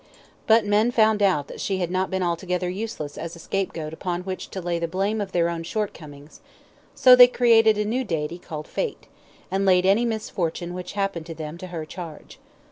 But men found out that she had not been altogether useless as a scapegoat upon which to lay the blame of their own shortcomings, so they created a new deity called Fate, and laid any misfortune which happened to them to her charge.